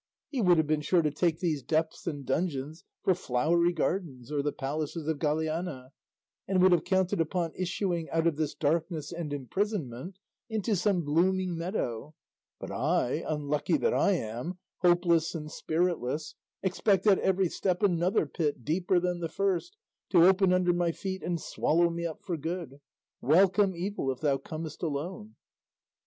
He would have been sure to take these depths and dungeons for flowery gardens or the palaces of Galiana, and would have counted upon issuing out of this darkness and imprisonment into some blooming meadow; but I, unlucky that I am, hopeless and spiritless, expect at every step another pit deeper than the first to open under my feet and swallow me up for good; 'welcome evil, if thou comest alone.